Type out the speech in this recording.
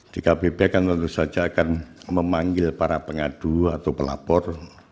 dkpp kan tentu saja akan memanggil para pengadu atau pelapor